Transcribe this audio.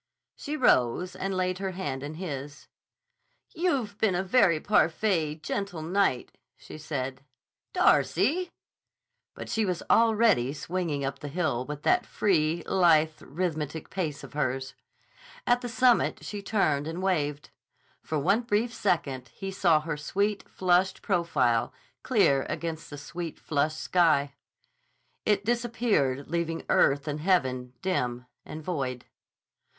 She rose and laid her hand in his. "You've been a very parfait, gentil knight," she said. "Darcy!" But she was already swinging up the hill with that free, lithe, rhythmic pace of hers. At the summit she turned and waved. For one brief second he saw her sweet, flushed profile clear against the sweet, flushed sky. It disappeared leaving earth and heaven dim and void.